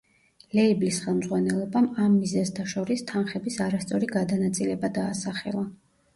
ლეიბლის ხელმძღვანელობამ ამ მიზეზთა შორის თანხების არასწორი გადანაწილება დაასახელა.